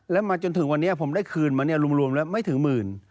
แล้วมาจนถึงวันนี้ผมได้คืนมาเนี่ยรวมแล้วไม่ถึงหมื่น